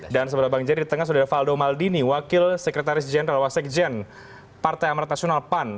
sebelah bang jari di tengah sudah ada faldo maldini wakil sekretaris jenderal wasek jen partai amarat nasional pan